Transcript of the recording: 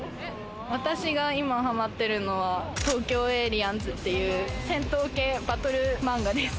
私が今ハマってるのは、『東京エイリアンズ』っていう戦闘系バトル漫画です。